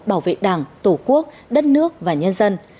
bảo vệ đảng tổ quốc đất nước và nhân dân